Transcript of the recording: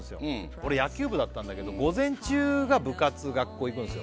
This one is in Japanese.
俺野球部だったんだけど午前中が部活学校行くんですよ